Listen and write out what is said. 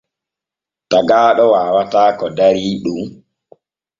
Tagaaɗo waawataa ko darii ɗon.